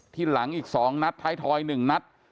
หลังอีก๒นัดท้ายทอย๑นัด